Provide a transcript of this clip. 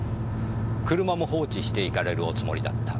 車も放置していかれるおつもりだった。